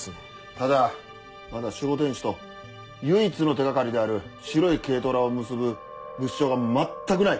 ただまだ守護天使と唯一の手掛かりである白い軽トラを結ぶ物証が全くない。